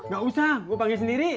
gak usah gue panggil sendiri